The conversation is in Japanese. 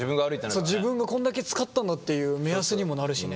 そう自分がこんだけ使ったんだっていう目安にもなるしね。